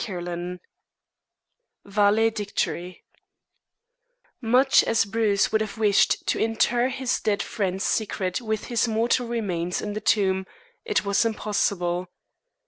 CHAPTER XXXI VALEDICTORY Much as Bruce would have wished to inter his dead friend's secret with his mortal remains in the tomb, it was impossible.